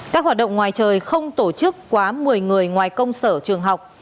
các hoạt động ngoài trời không tổ chức quá một mươi người ngoài công sở trường học